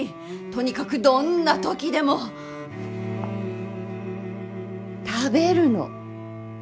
とにかくどんな時でも食べるの。